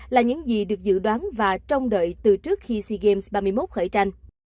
là những gì được dự đoán và trông đợi từ trước khi sea games ba mươi một khởi tranh